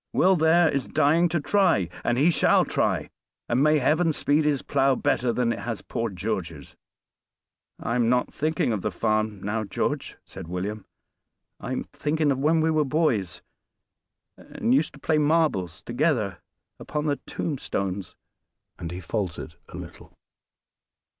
Will there is dying to try, and he shall try, and may Heaven speed his plow better than it has poor George's." "I am not thinking of the farm now, George," said William. "I'm thinking of when we were boys, and used to play marbles together upon the tombstones." And he faltered a little.